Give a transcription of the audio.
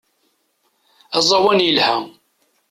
Aẓawan yelha.